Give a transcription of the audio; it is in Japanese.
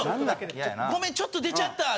「ごめんちょっと出ちゃった！」っつって。